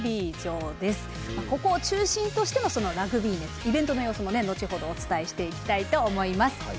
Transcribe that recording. ここを中心としてのラグビー熱イベントの様子もね後ほどお伝えしていきたいと思います。